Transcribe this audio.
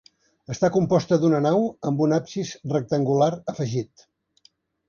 Està composta d'una nau amb un absis rectangular afegit.